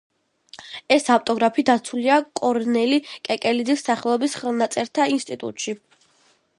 ეს ავტოგრაფი დაცულია კორნელი კეკელიძის სახელობის ხელნაწერთა ინსტიტუტში.